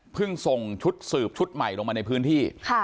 ส่งชุดสืบชุดใหม่ลงมาในพื้นที่